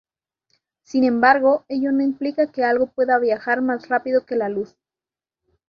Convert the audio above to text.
Sin embargo ello no implica que algo pueda viajar más rápido que la luz.